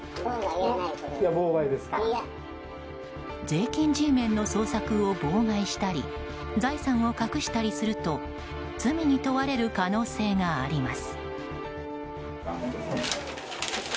税金Ｇメンの捜索を妨害したり財産を隠したりすると罪に問われる可能性があります。